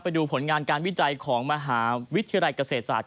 ไปดูผลงานการวิจัยของมหาวิทยาลัยเกษตรศาสต